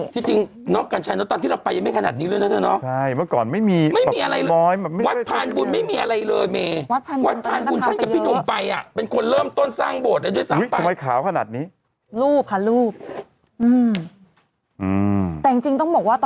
ที่จริงน้องกัญชัยเหรอตอนที่เราไปยังไม่ขนาดนี้เลยนะน้อง